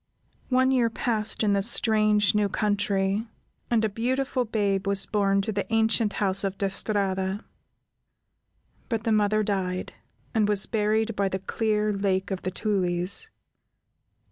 One year passed in the strange, new country, and a beautiful babe was born to the ancient house of De Strada, but the mother died, and was buried by the clear Lake of the Tulies.